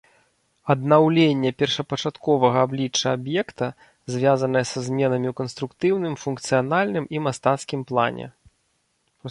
Аднаўленне першапачатковага аблічча аб'екта, звязанае са зменамі ў канструктыўным, функцыянальным і мастацкім плане.